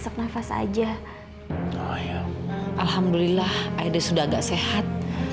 alhamdulillah aida sudah agak sehat